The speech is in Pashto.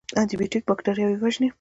انټي بیوټیک بکتریاوې وژني